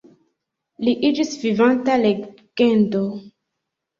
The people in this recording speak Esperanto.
Li iĝis vivanta legendo.